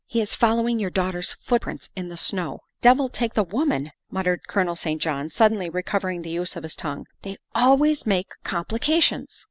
" He is following your daughter's footprints in the snow. ''" Devil take the women," muttered Colonel St. John, suddenly recovering the use of his tongue, '' they always make complications."